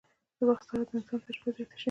د وخت سره د انسان تجربه زياته شي